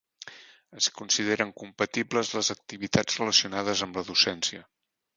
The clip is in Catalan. Es consideren compatibles les activitats relacionades amb la docència.